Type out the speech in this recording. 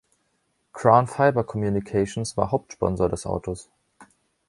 Crown Fiber Communications war Hauptsponsor des Autos.